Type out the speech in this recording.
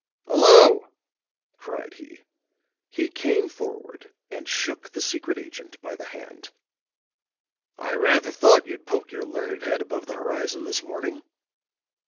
"Hello," cried he. He came forward and shook the secret agent by the hand. "I rather thought you'd poke your learned head above the horizon this morning."